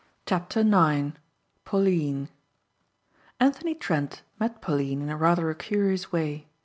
CHAPTER NINE PAULINE Anthony Trent met Pauline in rather a curious way.